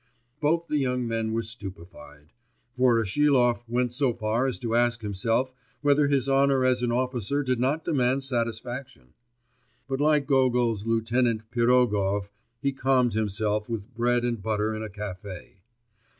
Both the young men were stupefied; Voroshilov went so far as to ask himself whether his honour as an officer did not demand satisfaction? But like Gogol's lieutenant, Pirogov, he calmed himself with bread and butter in a café.